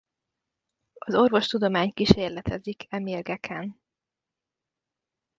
Az orvostudomány kísérletezik e mérgeken.